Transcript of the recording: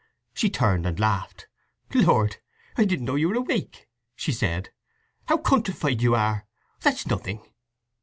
She turned and laughed. "Lord, I didn't know you were awake!" she said. "How countrified you are! That's nothing."